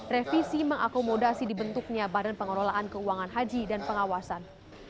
revisi mengakomodasi dibentuknya badan pengelolaan keuangan haji dan pengawasan